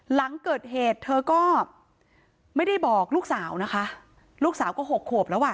หลังเกิดเหตุเธอก็ไม่ได้บอกลูกสาวนะคะลูกสาวก็หกขวบแล้วอ่ะ